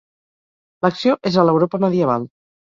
L'acció és a l'Europa medieval.